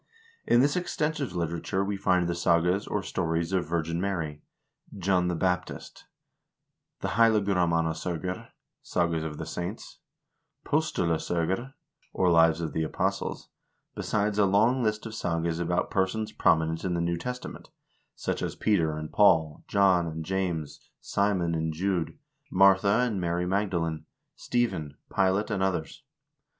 In this extensive literature we find the sagas, or stories, of Virgin Mary, John the Baptist, the " Heilagramannas0gur " (sagas of the saints), " Postulas0gur," or lives of the apostles, besides a long list of sagas about persons prominent in the New Testament, such as Peter and Paul, John and James, Simon and Jude, Martha and Mary Mag dalene, Stephen, Pilate, and others.